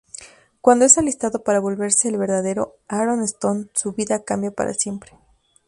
Cuando es alistado para volverse el "verdadero" Aaron Stone, su vida cambia para siempre.